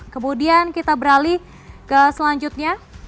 kemudian kita beralih ke selanjutnya